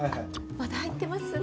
まだ入ってますね。